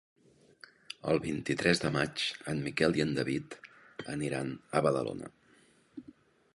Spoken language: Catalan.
El vint-i-tres de maig en Miquel i en David aniran a Badalona.